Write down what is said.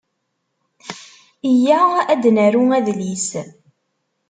Iyya ad d-naru adlis.